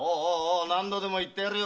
何度でも言ってやるよ。